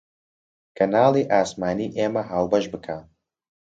کەناڵی ئاسمانی ئێمە هاوبەش بکە